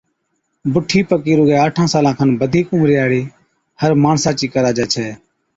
بُٺِي پڪِي رُگَي آٺان سالان کن بڌِيڪ عمرِي ھاڙي ھر ماڻسا چِي ڪراجَي ڇَي